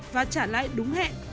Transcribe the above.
và trả lại đúng hẹn